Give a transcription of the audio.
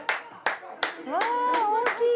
うわ大きい。